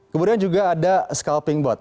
kemudian juga ada scalping bot